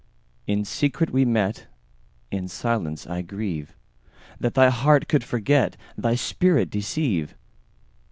In secret we met:In silence I grieveThat thy heart could forget, Thy spirit deceive.